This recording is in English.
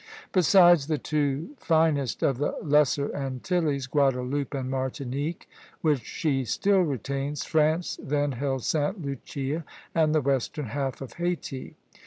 Besides the two finest of the Lesser Antilles, Guadeloupe and Martinique, which she still retains, France then held Sta. Lucia and the western half of Hayti.